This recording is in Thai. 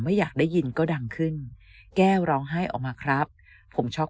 ไม่อยากได้ยินก็ดังขึ้นแก้วร้องไห้ออกมาครับผมช็อก